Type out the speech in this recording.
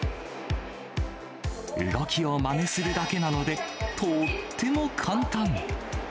動きをまねするだけなので、とっても簡単。